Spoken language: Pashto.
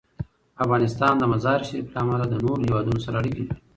افغانستان د مزارشریف له امله له نورو هېوادونو سره اړیکې لري.